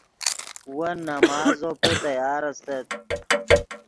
ون نماز زوپے تیار استت